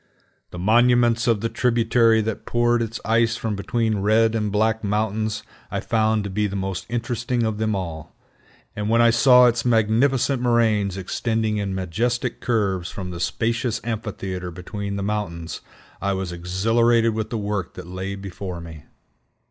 The monuments of the tributary that poured its ice from between Red and Black Mountains I found to be the most interesting of them all; and when I saw its magnificent moraines extending in majestic curves from the spacious amphitheater between the mountains, I was exhilarated with the work that lay before me.